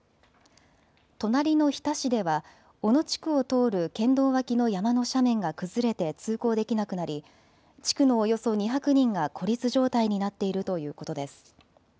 隣の日田市では小野地区を通る県道脇の山の斜面が崩れて通行できなくなり地区のおよそ２００人が孤立状態になっているということです。